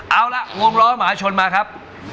เอาละวงล้อมหาชนมาครับ